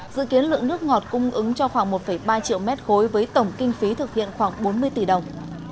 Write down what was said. dự kiến lượng nước ngọt cung ứng cho khoảng một ba triệu mét khối với tổng kinh phí thực hiện khoảng bốn mươi tỷ đồng